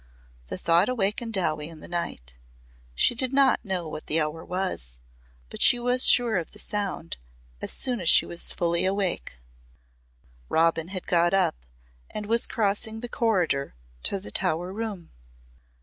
The thought awakened Dowie in the night. She did not know what the hour was, but she was sure of the sound as soon as she was fully awake. Robin had got up and was crossing the corridor to the Tower room.